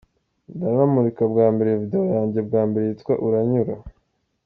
Ndanamurika bwa mbere video yanjye bwa mbere yitwa ‘Uranyura’.